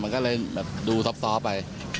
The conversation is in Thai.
มันก็เลยดูซ้อปไป